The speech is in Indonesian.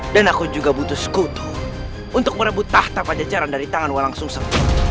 dan aku juga butuh sekutu untuk merebut tahta pada jalan dari tangan walang sungsat